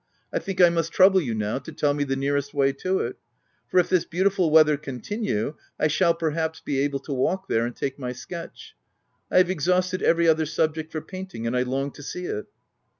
I think I must trouble you, now, to tell me the nearest way to it ; for if this beautiful weather continue, I shall, perhaps, be able to walk there, and take my sketch, I have exhausted every other subject for painting ; and I long to see it."